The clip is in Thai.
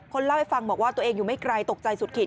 เล่าให้ฟังบอกว่าตัวเองอยู่ไม่ไกลตกใจสุดขีด